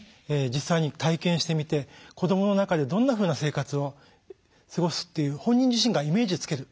実際に体験してみて子どもの中でどんなふうな生活を過ごすっていう本人自身がイメージをつける。